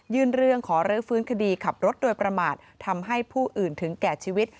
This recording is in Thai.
เรื่องขอรื้อฟื้นคดีขับรถโดยประมาททำให้ผู้อื่นถึงแก่ชีวิต